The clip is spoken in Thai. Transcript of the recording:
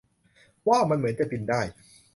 ว้าว มันเหมือนจะบินได้